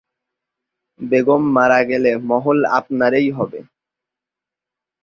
বেগম মারা গেলে, মহল আপনার এই হবে।